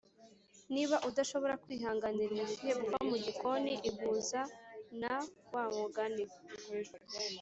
niba udashobora kwihanganira ubushyuhe buva mu gikoni ihuza na wa mugani